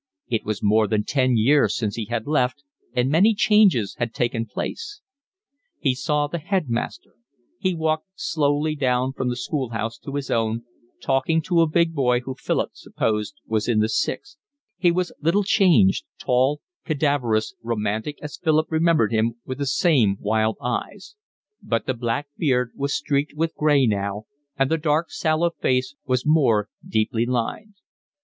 It was more than ten years since he had left and many changes had taken place. He saw the headmaster; he walked slowly down from the schoolhouse to his own, talking to a big boy who Philip supposed was in the sixth; he was little changed, tall, cadaverous, romantic as Philip remembered him, with the same wild eyes; but the black beard was streaked with gray now and the dark, sallow face was more deeply lined.